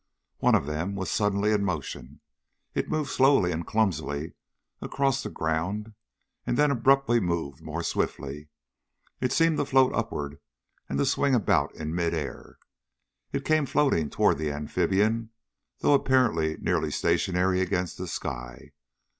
One of them was suddenly in motion. It moved slowly and clumsily across the ground, and then abruptly moved more swiftly. It seemed to float upward and to swing about in mid air. It came floating toward the amphibian, though apparently nearly stationary against the sky.